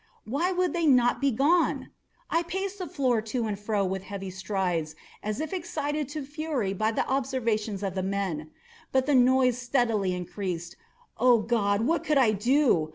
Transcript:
Why would they not be gone? I paced the floor to and fro with heavy strides, as if excited to fury by the observations of the men—but the noise steadily increased. Oh God! what could I do?